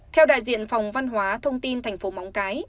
theo đại diện phòng văn hóa thông tin thành phố móng cái